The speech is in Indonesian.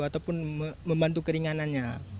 ataupun membantu keringanannya